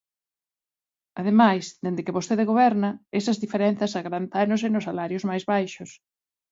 Ademais, dende que vostede goberna, esas diferenzas agrandáronse nos salarios máis baixos.